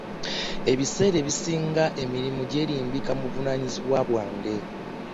Ebiseera ebisinga emirimu gyerimbika mu buvunayizibwa bwange .